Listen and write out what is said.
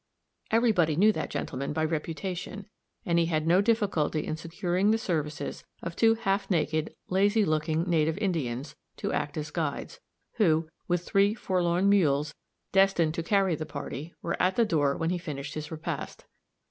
Everybody knew that gentleman by reputation; and he had no difficulty in securing the services of two half naked, lazy looking native Indians, to act as guides, who, with three forlorn mules, destined to carry the party, were at the door when he finished his repast.